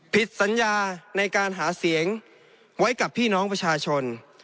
ผิดสัญญาในการหาเสียงไว้กับพี่น้องประชาชน